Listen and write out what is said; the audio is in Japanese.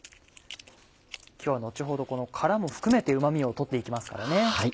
今日は後ほどこの殻も含めてうま味を取って行きますからね。